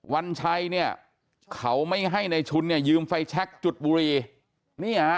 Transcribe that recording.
วันชัยเขาไม่ให้ในชุนยืมไฟแช็คจุดบุรี